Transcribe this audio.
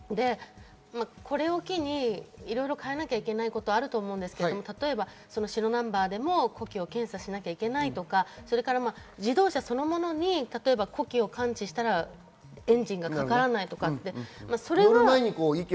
これを機にいろいろ変えなきゃいけないことはあると思いますが、例えば白ナンバーでも呼気を検査しなきゃいけないとか自動車そのものに呼気を感知したらエンジンがかからないとか。